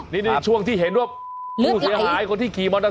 นี่ช่วงที่เห็นว่านายฮฤษฐ์มีเลือดหาย